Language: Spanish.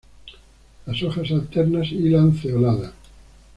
Las hojas alternas y lanceoladas.